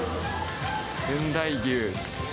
仙台牛。